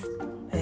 え